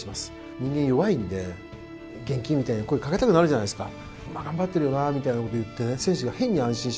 人間は弱いので元気？みたいに声かけたくなってくるじゃないですか。